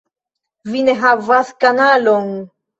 - Vi ne havas kanalon